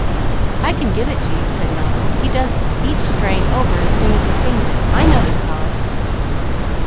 "I can give it to you," said Malcolm. "He does each strain over as soon as he sings it. I know his song!"